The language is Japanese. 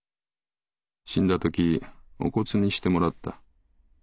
死んだときお骨にしてもらった。